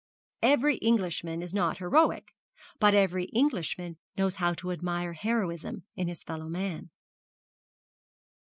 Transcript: Every Englishman is not heroic, but every Englishman knows how to admire heroism in his fellow man.